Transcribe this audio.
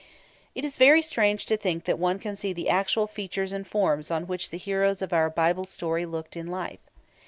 It is very strange to think that one can see the actual features and forms on which the heroes of our Bible story looked in life.